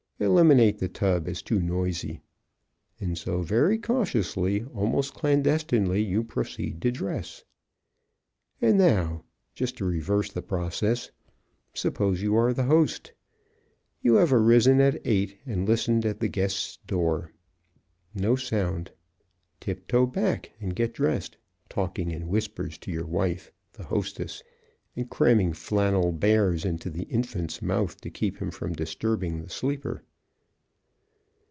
Eliminate the tub as too noisy. And so, very cautiously, almost clandestinely, you proceed to dress. And now, just to reverse the process. Suppose you are the host. You have arisen at eight and listened at the guest's door. No sound. Tip toe back and get dressed, talking in whispers to your wife (the hostess) and cramming flannel bears into the infant's mouth to keep him from disturbing the sleeper.